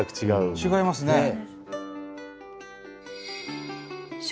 違いますね。